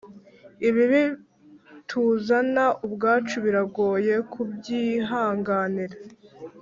ibibi tuzana ubwacu biragoye kubyihanganira.